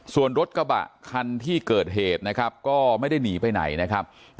ส่วนรถกระบะคันที่เกิดเหตุนะครับก็ไม่ได้หนีไปไหนนะครับ